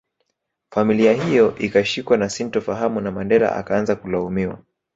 Familia hiyo ikashikwa na sintofahamu na Mandela akaanza kulaumiwa